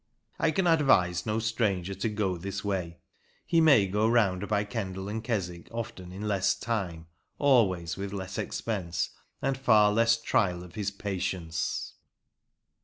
I can advise no stranger to go this way; he may go round by Kendal and Keswick often in less time, always with less expense, and far less trial of his patience.